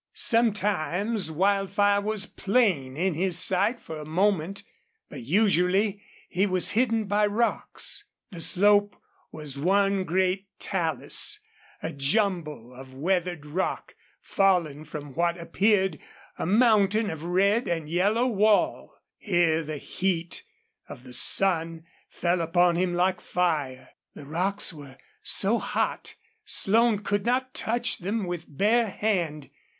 Sometimes Wildfire was plain in his sight for a moment, but usually he was hidden by rocks. The slope was one great talus, a jumble of weathered rock, fallen from what appeared a mountain of red and yellow wall. Here the heat of the sun fell upon him like fire. The rocks were so hot Slone could not touch them with bare hand.